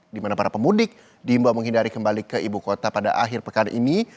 di mana para pemudik diimbau menghindari kembali ke ibu kota pada akhir pekan ini